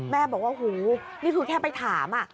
แม่บอกว่าหูนี่คือแค่ไปถาม